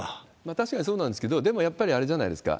確かにそうなんですけど、でもやっぱり、あれじゃないですか。